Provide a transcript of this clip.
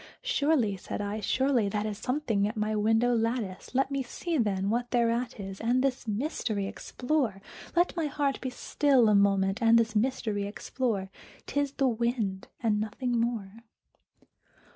"Surely," said I, "surely that is something at my window lattice; Let me see, then, what thereat is, and this mystery explore Let my heart be still a moment and this mystery explore; 'T is the wind and nothing more!"